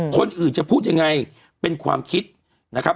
คนอื่นจะพูดยังไงเป็นความคิดนะครับ